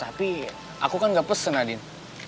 tapi aku kan gak pesen adin